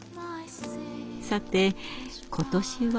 さて今年は？